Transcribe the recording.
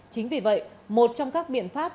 chính vì vậy một trong các biện pháp